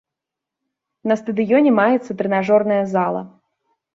На стадыёне маецца трэнажорная зала.